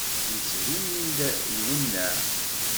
Yettbin-d iwenneɛ.